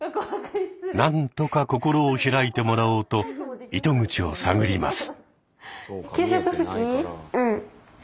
何とか心を開いてもらおうと糸口を探ります。